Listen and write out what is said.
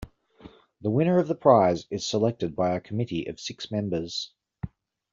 The winner of the Prize is selected by a committee of six members.